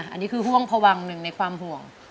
อันนี้คือห่วงพวังหนึ่งในความห่วง